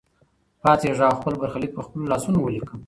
پاڅېږه او خپل برخلیک په خپلو لاسونو ولیکه.